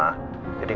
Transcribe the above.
jadi gak dikhawatir